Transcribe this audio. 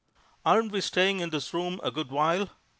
"Aren't we staying in this room a good while?"